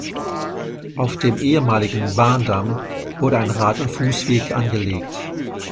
Auf dem ehemaligen Bahndamm wurde ein Rad- und Fußweg angelegt.